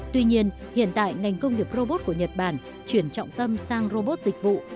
tuy nhiên hiện tại ngành công nghiệp robot của nhật bản chuyển trọng tâm sang robot dịch vụ